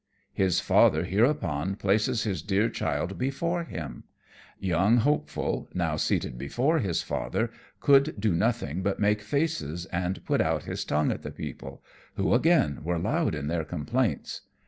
His father hereupon places his dear child before him. Young hopeful, now seated before his father, could do nothing but make faces and put out his tongue at the people, who again were loud in their complaints.